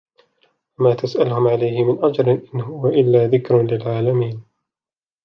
وَمَا تَسْأَلُهُمْ عَلَيْهِ مِنْ أَجْرٍ إِنْ هُوَ إِلَّا ذِكْرٌ لِلْعَالَمِينَ